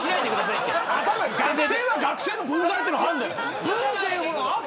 学生には学生の分際っていうのがあるんだよ。